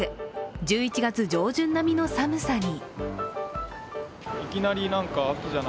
１１月上旬並みの寒さに。